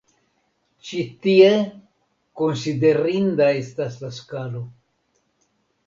Ĉi tie konsiderinda estas la skalo.